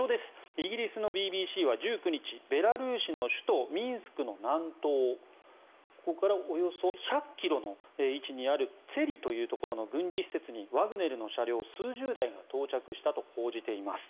イギリスのＢＢＣは１９日ベラルーシの首都ミンスクの南東ここからおよそ１００ｋｍの位置にあるツェリというところの軍事施設にワグネルの車両数十台が到着したと報じています。